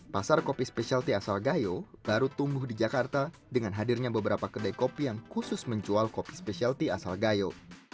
pasar kopi spesialty asal gayo baru tumbuh di jakarta dengan hadirnya beberapa kedai kopi yang khusus menjual kopi spesialty asal gayo